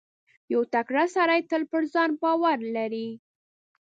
• یو تکړه سړی تل پر ځان باور لري.